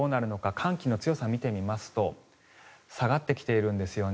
寒気の強さを見てみますと下がってきているんですね。